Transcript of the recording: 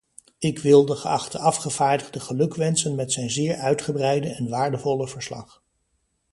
Ik wil de geachte afgevaardigde gelukwensen met zijn zeer uitgebreide en waardevolle verslag.